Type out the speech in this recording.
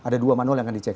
dua manual yang akan dicek